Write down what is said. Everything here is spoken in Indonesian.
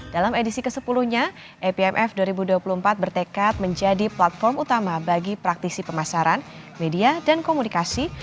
dalam edisi ke sepuluh nya apmf dua ribu dua puluh empat bertekad menjadi platform utama bagi praktisi pemasaran media dan komunikasi